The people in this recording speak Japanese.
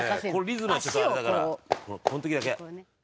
リズムがちょっとあれだからこの時だけ。